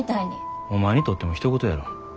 お前にとってもひと事やろ。